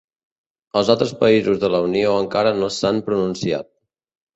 Els altres països de la Unió encara no s'han pronunciat.